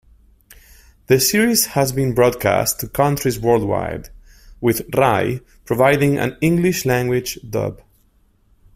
The series has been broadcast to countries worldwide, with Rai providing an English-language dub.